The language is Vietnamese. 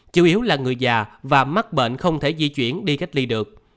chủ yếu là người già và mắc bệnh không thể di chuyển đi cách ly được